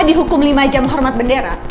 dihukum lima jam hormat bendera